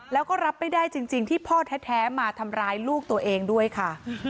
แล้วก็รับไม่ได้จริงที่พ่อแท้มาทำร้ายลูกตัวเองด้วยค่ะ